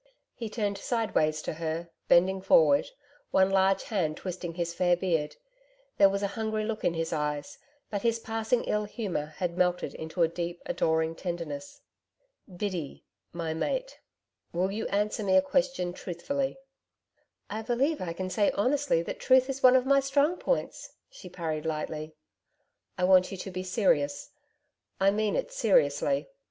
He turned sideways to her, bending forward, one large hand twisting his fair beard. There was a hungry look in his eyes, but his passing ill humour had melted into a deep, adoring tendeness. 'Biddy my mate will you answer me a question truthfully?' 'I believe I can say honestly, that truth is one of my strong points,' she parried lightly. 'I want you to be serious. I mean it seriously.